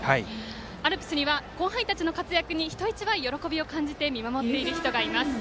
アルプスには後輩たちの活躍に人一倍、喜びを感じて見守っている人がいます。